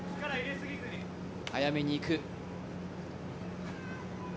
早めに行く。